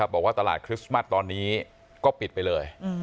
บอกว่าตลาดคริสต์มัสตอนนี้ก็ปิดไปเลย